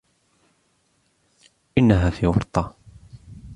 إنها في ورطة.